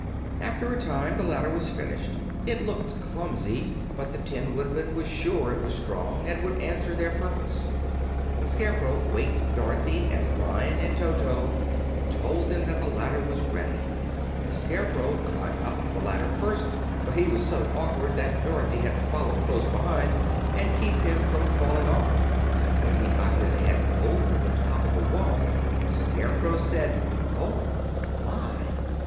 After a time the ladder was finished. It looked clumsy, but the Tin Woodman was sure it was strong and would answer their purpose. The Scarecrow waked Dorothy and the Lion and Toto, and told them that the ladder was ready. The Scarecrow climbed up the ladder first, but he was so awkward that Dorothy had to follow close behind and keep him from falling off. When he got his head over the top of the wall the Scarecrow said, "Oh, my!"